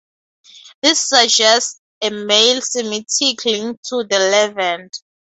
This suggests a male Semitic link to the Levant.